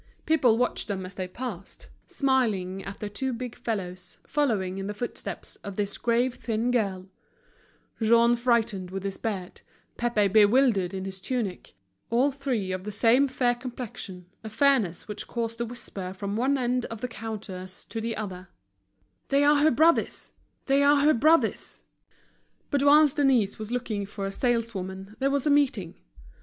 People watched them as they passed, smiling at the two big fellows following in the footsteps of this grave thin girl; Jean frightened with his beard, Pépé bewildered in his tunic, all three of the same fair complexion, a fairness which caused the whisper from one end of the counters to the other: "They are her brothers! They are her brothers!" But whilst Denise was looking for a saleswoman there was a meeting.